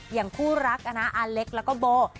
อย่างคู่รักอาเล็กแล้วก็โบ